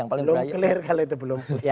belum clear kalau itu belum